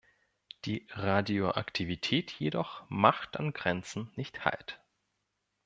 Die Radioaktivität jedoch macht an Grenzen nicht halt.